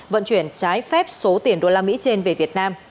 vận chuyển trái phép số tiền usd trên về việt nam